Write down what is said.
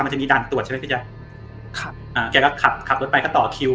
มันจะมีด่านตรวจใช่ไหมพี่แจ๊คครับอ่าแกก็ขับขับรถไปก็ต่อคิว